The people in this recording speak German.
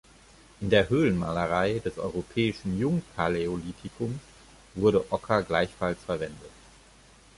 In der Höhlenmalerei des europäischen Jungpaläolithikums wurde Ocker gleichfalls verwendet.